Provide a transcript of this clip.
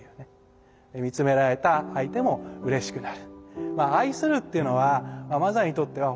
見つめられた相手もうれしくなる。